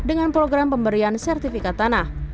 dengan program pemberian sertifikat tanah